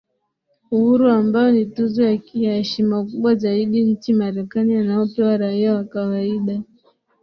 Uhuru ambayo ni tuzo ya heshima kubwa zaidi nchi Marekani anayopewa raia wa kawaida